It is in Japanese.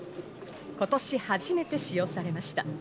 今年初めて使用されました。